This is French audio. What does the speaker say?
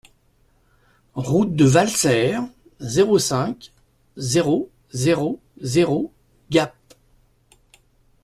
Route de Valserres, zéro cinq, zéro zéro zéro Gap